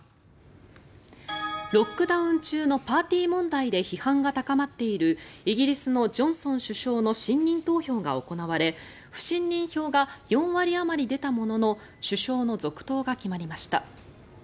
ロックダウン中のパーティー問題で批判が高まっているイギリスのジョンソン首相の信任投票が行われ不信任票が４割あまり出たものの首相の続投が決まりました。